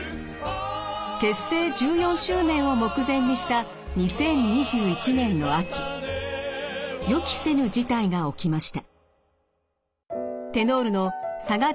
結成１４周年を目前にした２０２１年の秋予期せぬ事態が起きました。